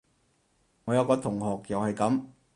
我有個同學又係噉